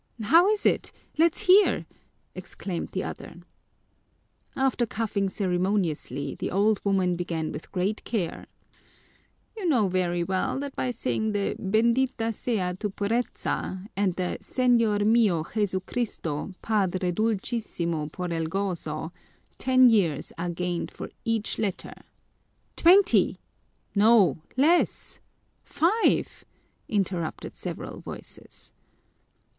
"How is it? Let's hear!" exclaimed the others. After coughing ceremoniously the old woman began with great care: "You know very well that by saying the Bendita sea tu pureza and the Señor mío Jesucristo, Padre dulcísimo por el gozo, ten years are gained for each letter " "Twenty!" "No, less!" "Five!" interrupted several voices.